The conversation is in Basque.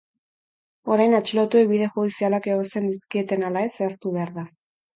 Orain, atxilotuei bide judizialak egozten dizkieten ala ez zehaztu behar da.